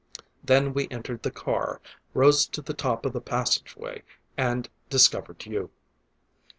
Then we entered the car, rose to the top of the passageway, and discovered you.